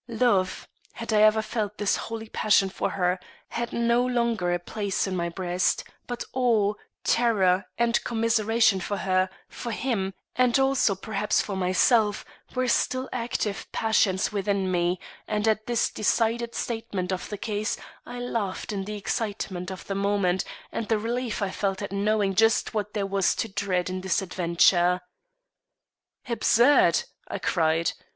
Love, had I ever felt this holy passion for her, had no longer a place in my breast; but awe, terror and commiseration for her, for him, and also perhaps for myself, were still active passions within me, and at this decided statement of the case, I laughed in the excitement of the moment, and the relief I felt at knowing just what there was to dread in the adventure. "Absurd!" I cried.